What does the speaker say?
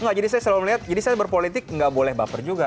nggak jadi saya selalu melihat jadi saya berpolitik nggak boleh baper juga